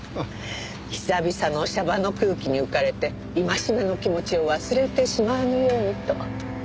久々の娑婆の空気に浮かれて戒めの気持ちを忘れてしまわぬようにと。